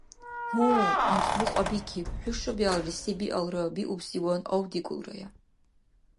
— Гьу, анцӀбукь абикиб. ХӀуша биалли се-биалра биубсиван авдикӀулрая.